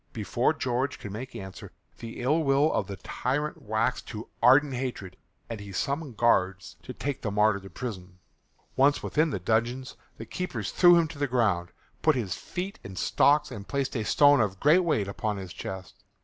Before George could make answer the ill will of the tyrant waxed to ardent hatred and he summoned guards to take the martyr to prison. Once within the dungeon the keepers threw him to the ground, put his feet in stocks and placed a stone of great weight upon his chest.